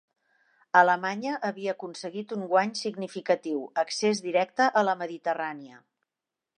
Alemanya havia aconseguit un guany significatiu: accés directe a la Mediterrània.